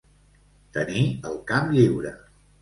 Tenir el camp lliure.